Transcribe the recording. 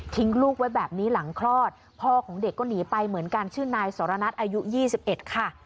ลูกไว้แบบนี้หลังคลอดพ่อของเด็กก็หนีไปเหมือนกันชื่อนายสรณัทอายุ๒๑ค่ะ